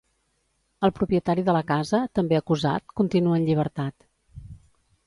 El propietari de la casa, també acusat, continua en llibertat.